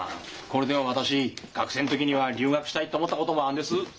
これでも私学生の時には留学したいって思ったごどもあんです。